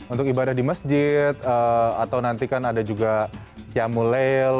untuk ibadah di masjid atau nanti kan ada juga qiyamulail